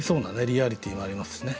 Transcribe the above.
リアリティーもありますしね。